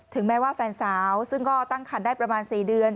แม้ว่าแฟนสาวซึ่งก็ตั้งคันได้ประมาณ๔เดือน